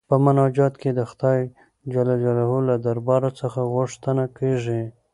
په مناجات کې د خدای جل جلاله له دربار څخه غوښتنه کيږي.